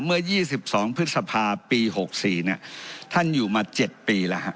เมื่อยี่สิบสองพฤษภาปีหกสี่น่ะท่านอยู่มาเจ็ดปีแล้วฮะ